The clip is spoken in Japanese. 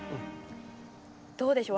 どうでしょう？